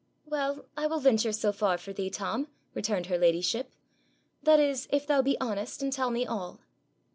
'Well, I will venture so far for thee, Tom,' returned her ladyship; 'that is, if thou be honest, and tell me all.'